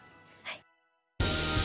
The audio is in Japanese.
はい。